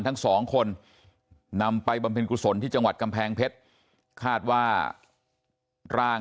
ทั้งสองคนนำไปบำเพ็ญกุศลที่จังหวัดกำแพงเพชรคาดว่าร่าง